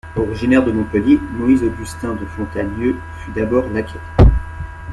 Originaire de Montpellier, Moïse-Augustin de Fontanieu fut d'abord laquais.